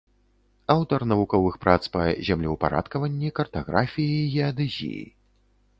Аўтар навуковых прац па землеўпарадкаванні, картаграфіі і геадэзіі.